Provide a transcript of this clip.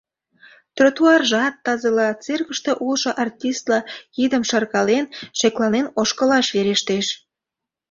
Тротуаржат тазыла, циркыште улшо артистла кидым шаркален, шекланен ошкылаш верештеш.